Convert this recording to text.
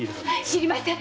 知りません！